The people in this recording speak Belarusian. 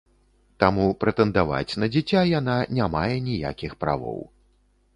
Таму прэтэндаваць на дзіця яна не мае ніякіх правоў.